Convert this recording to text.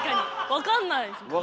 わかんないですもんね。